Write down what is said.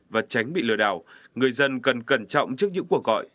và tránh bị lừa đảo người dân cần cẩn trọng trước những cuộc gọi